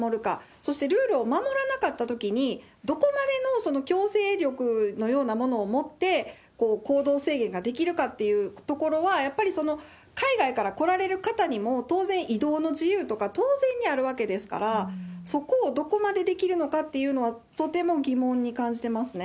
そしてルールを守らなかったときに、どこまでの強制力のようなものを持って行動制限ができるかっていうところは、やっぱりその海外から来られる方にも、当然移動の自由とか、当然にあるわけですから、そこをどこまでできるのかっていうのは、とても疑問に感じてますね。